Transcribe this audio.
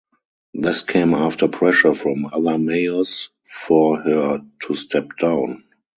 This came after pressure from other mayors for her to step down.